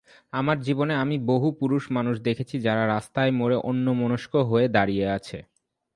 আমার জীবনে আমি বহু পুরুষ মানুষ দেখেছি যারা রাস্তার মোড়ে অন্যমনস্কা হয়ে দাঁড়িয়ে আছে।